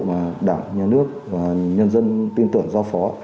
mà đảng nhà nước và nhân dân tin tưởng giao phó